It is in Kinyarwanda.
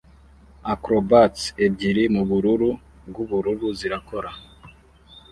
Acrobats ebyiri mubururu bwubururu zirakora